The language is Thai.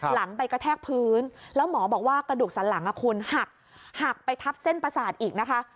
หลังไปกระแทกพื้นแล้วหมอบอกว่ากระดูกสันหลังคุณหักหักไปทับเส้นประสาทอีกนะคะ